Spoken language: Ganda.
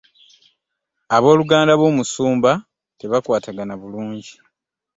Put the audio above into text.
Abooluganda b'omusumba tebakwatagana bulungi.